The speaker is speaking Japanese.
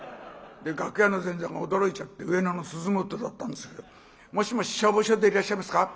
楽屋の前座が驚いちゃって上野の鈴本だったんですけど「もしもし消防署でいらっしゃいますか？